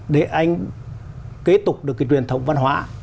để anh kế tục được cái truyền thống văn hóa